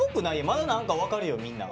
まだ何か分かるよみんな。